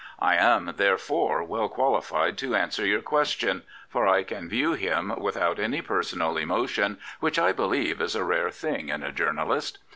I am therefore well qualified to answer your question, for I can view him without any personal emotion, which, I believe, is a rare thing in a journalist.